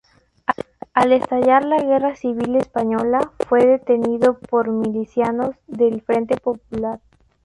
Al estallar la Guerra Civil Española fue detenido por milicianos del Frente Popular.